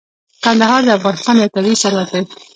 کندهار د افغانستان یو طبعي ثروت دی.